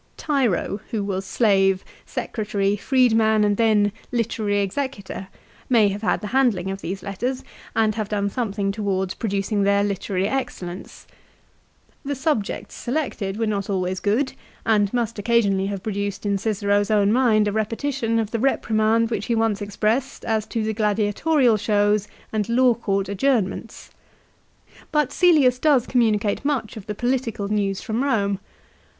Tiro, who was slave, secretary, freed man, and then literary executor, may have had the handling of these letters, and have done something towards producing their literary excellence. The subjects selected were not C I LIC I A. 103 always good, and must occasionally have produced in Cicero's own mind a repetition of the reprimand which he once expressed as to the gladiatorial shows and law court adjourn ments. But Caelius does communicate much of the political news from Eome.